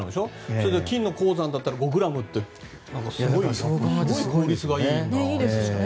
それで金の鉱山だったら５ｇってすごい効率がいいんだね。